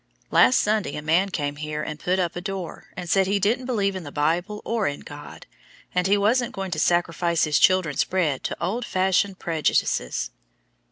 Last Sunday a man came here and put up a door, and said he didn't believe in the Bible or in a God, and he wasn't going to sacrifice his children's bread to old fashioned prejudices.